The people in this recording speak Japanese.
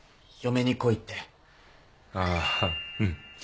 ああうん。